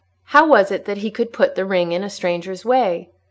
How was it that he could put that ring in a stranger's way?